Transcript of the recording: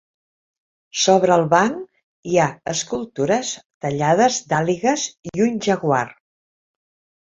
Sobre el banc hi ha escultures tallades d'àligues i un jaguar.